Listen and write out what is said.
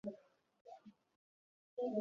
তোমার বলা সব কথা বিশ্বাস করেছিলাম।